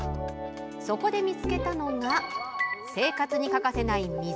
そこで見つけたのが生活に欠かせない水。